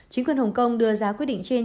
chính quyền hồng kông đưa ra quyết định trên